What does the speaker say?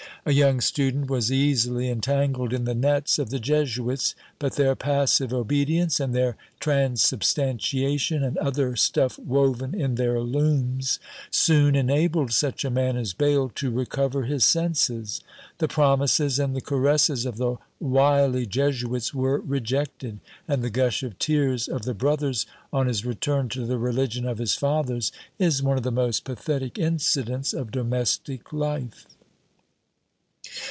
A young student was easily entangled in the nets of the Jesuits. But their passive obedience, and their transubstantiation, and other stuff woven in their looms, soon enabled such a man as Bayle to recover his senses. The promises and the caresses of the wily Jesuits were rejected; and the gush of tears of the brothers, on his return to the religion of his fathers, is one of the most pathetic incidents of domestic life.